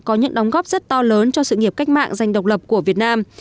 có những đóng góp rất to lớn cho sự nghiệp cách mạng giành độc lập của việt nam